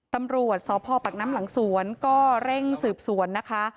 ตำรวจสพปักน้ำหลังสวนก็เร่งสืบสวนนะคะ